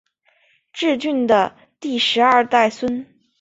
挚峻的第十二代孙。